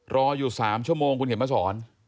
รออยู่๓ชั่วโมงคุณเห็นมะสูร